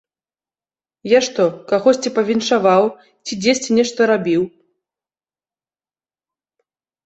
Я што, кагосьці павіншаваў ці дзесьці нешта рабіў?!